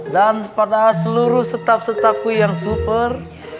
dan pada seluruh staff staffku yang super